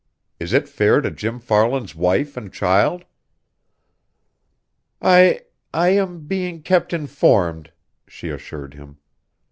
Is it fair to Jim Farland's wife and child?" "I I am being kept informed," she assured him.